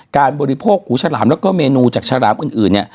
การบริโภคหูฉลามแล้วก็เมนูจากฉลามอื่น